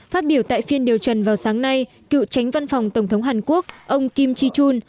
phát biểu tại phiên điều trần vào sáng nay cựu tránh văn phòng tổng thống hàn quốc ông kim ji chung